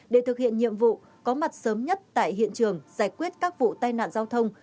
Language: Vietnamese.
để thực hiện nhiệm vụ có mặt sớm nhất tại hiện trường giải quyết các vụ tai nạn giao thông